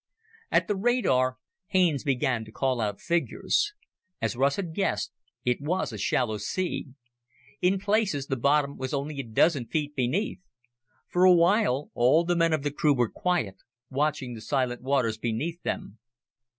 At the radar, Haines began to call out figures. As Russ had guessed, it was a shallow sea. In places, the bottom was only a dozen feet beneath. For a while, all the men of the crew were quiet, watching the silent waters beneath them.